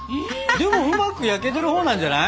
でもうまく焼けてるほうなんじゃない？